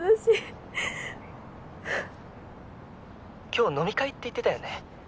今日飲み会って言ってたよね？